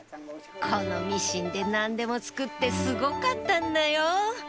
「このミシンで何でも作ってすごかったんだよ」